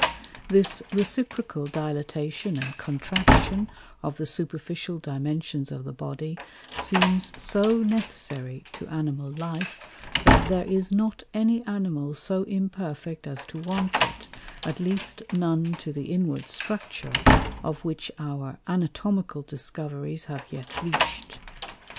This reciprocal Dilatation and Contraction of the superficial Dimensions of the Body, seems so necessary to Animal Life, that there is not any Animal so imperfect as to want it, at least none to the inward Structure, of which our Anatomical Discoveries have yet reach'd.